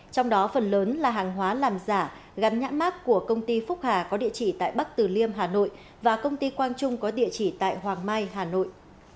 trong đó phần lớn là hàng hóa làm giả gắn nhãn mát của công ty phúc hà có địa chỉ tại bắc tử liêm hà nội và công ty quang trung có địa chỉ tại hoàng mai hà nội